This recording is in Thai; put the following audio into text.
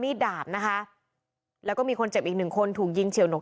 ดาบนะคะแล้วก็มีคนเจ็บอีกหนึ่งคนถูกยิงเฉียวหนก